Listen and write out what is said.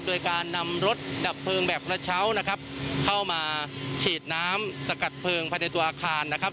โดยการนำรถดับเพลิงแบบกระเช้านะครับเข้ามาฉีดน้ำสกัดเพลิงภายในตัวอาคารนะครับ